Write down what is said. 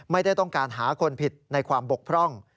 ไม่ได้ต้องการหาคนผิดในความบกพร่อง